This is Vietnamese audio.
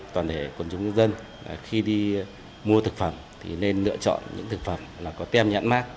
toàn thể quần chúng dân khi đi mua thực phẩm nên lựa chọn những thực phẩm có tem nhãn mát